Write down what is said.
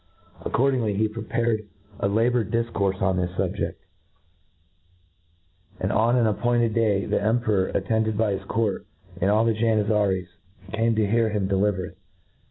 Accordingly, he prepared a la boured difcourfe on this fubjeft; and, on an ap pointed day, the Emperor, attended by his cojirt, and all the Janizaries, came to hear him deliver it.